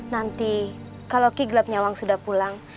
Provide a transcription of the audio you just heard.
nanti kalau kigelap nyawang sudah pulang